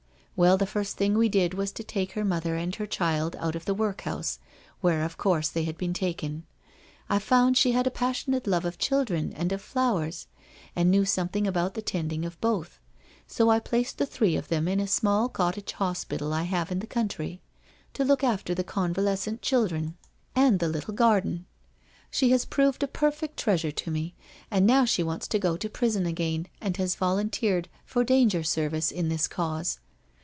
Well, the first thing we did was to take her mother and her child out of the workhouse, where of course they had been taken. I found she had a passionate love of children and of flowers, and knew something about the tending of both, so I placed the three of them in a small cottage hospital I have in the country, to look after the convalescent children and X22 NO SURRENDER the little garden. She has proved a perfect treasure to me, and now she wants to go to prison again, and has volunteered for danger service in this Cause.